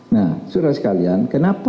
nah surat sekalian kenapa